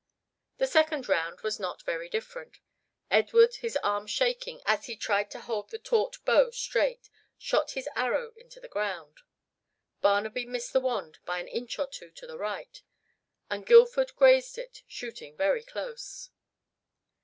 The second round was not very different. Edward, his arm shaking as he tried to hold the taut bow straight, shot his arrow into the ground. Barnaby missed the wand by an inch or two to the right, and Guildford grazed it, shooting very close.